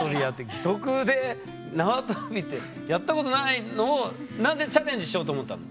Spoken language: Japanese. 義足でなわとびってやったことないのをなぜチャレンジしようと思ったの？